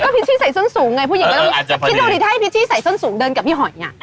ก็พิชชี่ใส่ส้นสูงไงผู้หญิงก็ต้องคิดโดริทัยพิชชี่ใส่ส้นสูงเดินกับพี่หอยอย่างนี้